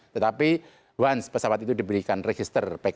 tetapi once pesawat itu diberikan register pk